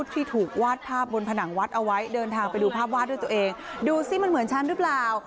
ที่ถูกวาดภาพบนผนังวัดเอาไว้เดินทางไปดูภาพวาดด้วยตัวเองดูสิมันเหมือนฉันหรือเปล่า